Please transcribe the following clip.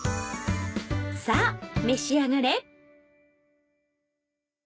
さあ召し上がれ！